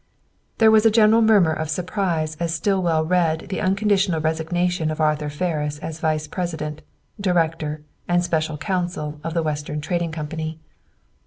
There was a general murmur of surprise as Stillwell read the unconditional resignation of Arthur Ferris as vice president, director, and special counsel of the Western Trading Company.